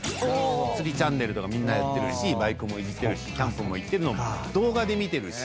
釣りチャンネルとかみんなやってるしバイクもいじってるしキャンプも行ってるのを動画で見てるし。